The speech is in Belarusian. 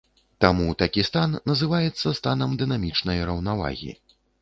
Таму такі стан называецца станам дынамічнай раўнавагі.